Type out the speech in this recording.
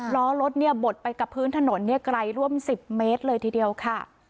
ล้อรถเนี่ยบดไปกับพื้นถนนไกลร่วม๑๐เมตรเลยทีเดียวค่ะ